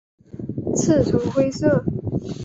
刺呈灰色。